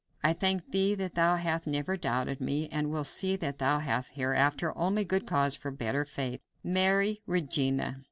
I thank thee that thou hast never doubted me, and will see that thou hast hereafter only good cause for better faith. "MARY, Regina."